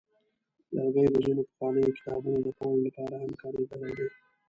لرګي د ځینو پخوانیو کتابونو د پاڼو لپاره هم کارېدلي دي.